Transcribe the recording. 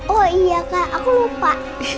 oh iya kak aku lupa